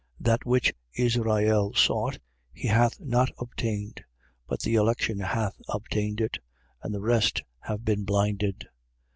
That which Israel sought, he hath not obtained: but the election hath obtained it. And the rest have been blinded.